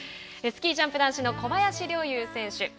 スキージャンプ男子の小林陵侑選手。